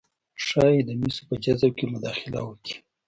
ښايي د مسو په جذب کې مداخله وکړي